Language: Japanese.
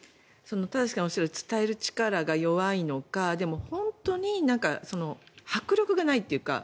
田崎さんがおっしゃる伝える力が弱いのかでも、本当に迫力がないというか。